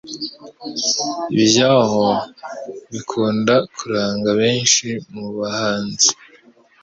ibyahao bikunda kuranga abenshi mu bahanzi